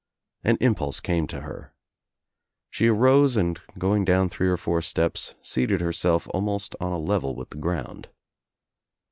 An impulse came to her. She arose and going down three or four steps seated herself almost on a level with the ground.